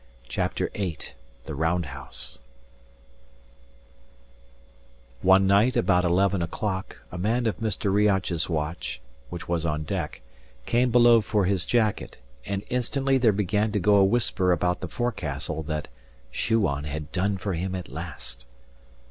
CHAPTER VIII THE ROUND HOUSE One night, about eleven o'clock, a man of Mr. Riach's watch (which was on deck) came below for his jacket; and instantly there began to go a whisper about the forecastle that "Shuan had done for him at last."